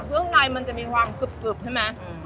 เครื่องในมันจะมีความกึบใช่ไหม